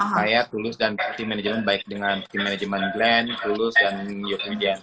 saya tulus dan tim manajemen baik dengan tim manajemen glenn tulus dan york indian